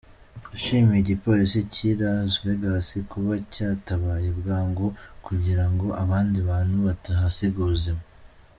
Yashimiye igipolisi cy'i Las Vegas kuba cyatabaye bwangu kugirango abandi bantu batahasiga ubuzima.